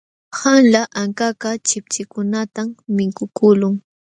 Qanla ankakaq chipchikunatam mikukuqlun.